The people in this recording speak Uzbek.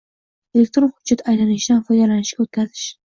elektron hujjat aylanishidan foydalanishga o‘tkazish;